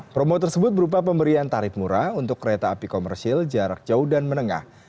promo tersebut berupa pemberian tarif murah untuk kereta api komersil jarak jauh dan menengah